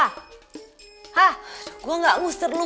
hah gue gak ngusir lo